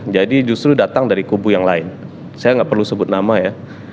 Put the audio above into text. jadi justru datang dari kubu yang lain saya nggak perlu sebut nama ya